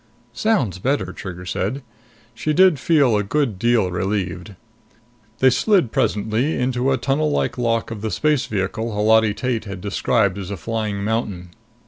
"Sounds better," Trigger said. She did feel a good deal relieved. They slid presently into a tunnel like lock of the space vehicle Holati Tate had described as a flying mountain.